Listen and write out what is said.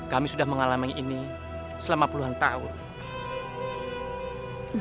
kami sudah mengalami ini selama puluhan tahun